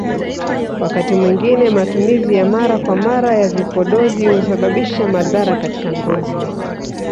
Wakati mwingine matumizi ya mara kwa mara ya vipodozi husababisha madhara katika ngozi